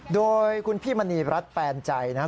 โดยคุณพี่มณีรัฐแปนใจนะครับ